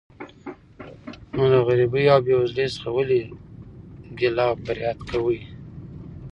نو له غریبۍ او بې وزلۍ څخه ولې ګیله او فریاد کوې.